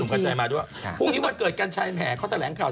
พรุ่งนี้วันเกิดกัญชัยแหม่ข้อแสดงข่าว๑๓